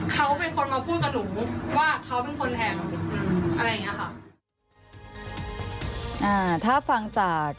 เขาเป็นคนมาพูดกับหนูว่าเขาเป็นคนแทงอะไรอย่างนี้ค่ะ